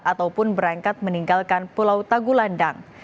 ataupun berangkat meninggalkan pulau tagulandang